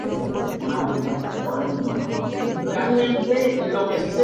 El edificio sufrió severos daños durante la ocupación.